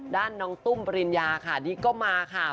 น้องตุ้มปริญญาค่ะนี่ก็มาค่ะ